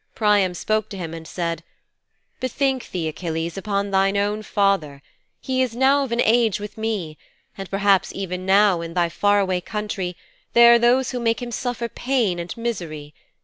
Priam spoke to him and said, "Bethink thee, Achilles upon thine own father. He is now of an age with me, and perhaps even now, in thy far away country, there are those who make him suffer pain and misery.